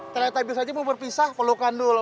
teletubbies aja mau berpisah pelukan dulu